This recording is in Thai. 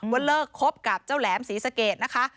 ว่าเลิกคบกับเจ้าแหลมศรีสะเกดนะคะ